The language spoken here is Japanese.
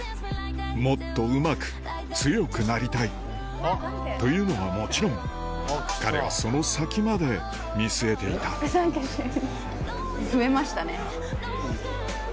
もっとうまく強くなりたいというのはもちろん彼はその先まで見据えていた俺が思ってた慶應の大学生じゃない。